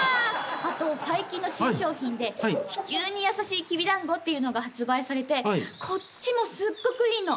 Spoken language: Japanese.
あと新商品で地球にやさしいきびだんごっていうのが発売されてこっちもすっごくいいの！